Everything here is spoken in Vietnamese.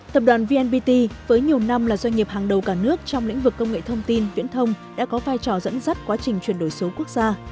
tập đoàn vnpt với nhiều năm là doanh nghiệp hàng đầu cả nước trong lĩnh vực công nghệ thông tin viễn thông đã có vai trò dẫn dắt quá trình chuyển đổi số quốc gia